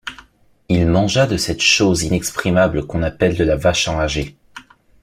Il mangea de cette chose inexprimable qu’on appelle de la vache enragée.